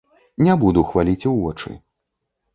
Не буду хваліць у вочы.